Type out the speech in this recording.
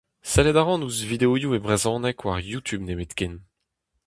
Sellet a ran ouzh videoioù e brezhoneg war Youtube nemetken.